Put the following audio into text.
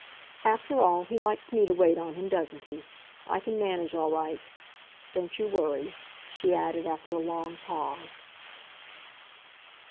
"After all, he likes me to wait on him, doesn't he? I can manage all right. Don't you worry," she added after a long pause.